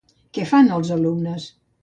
Què fan els alumnes?